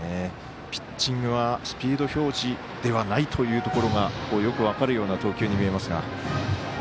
ピッチングはスピード表示ではないというところがよく分かるような投球に見えますが。